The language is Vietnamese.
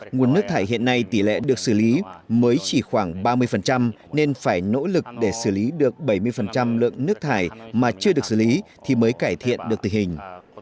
nguồn nước thải hiện nay tỷ lệ được xử lý mới chỉ khoảng ba mươi nên phải nỗ lực để xử lý được bảy mươi lượng nước thải mà chưa được xử lý thì mới cải thiện được tình hình